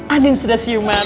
andin sudah siuman